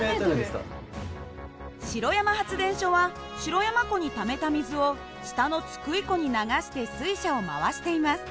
城山発電所は城山湖にためた水を下の津久井湖に流して水車を回しています。